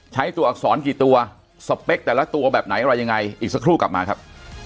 ใช้ตัวอักษรกี่ตัวสเปคแต่ละตัวแบบไหนอะไรยังไงอีกสักครู่กลับมาครับ